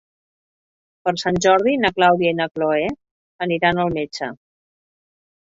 Per Sant Jordi na Clàudia i na Cloè aniran al metge.